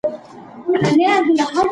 ټولنیز تعامل د اړیکو د دوام لامل دی.